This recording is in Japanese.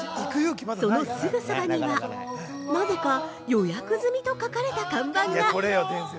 そのすぐそばにはなぜか予約済みと書かれた看板が！